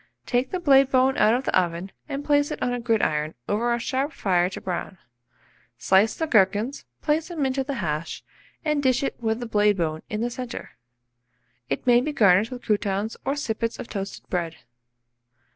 Take the blade bone out of the oven, and place it on a gridiron over a sharp fire to brown. Slice the gherkins, put them into the hash, and dish it with the blade bone in the centre. It may be garnished with croutons or sippets of toasted bread.